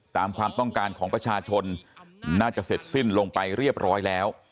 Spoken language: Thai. ตามความต้องการของประชาชนน่าจะเสร็จสิ้นลงไปเรียบร้อยแล้ว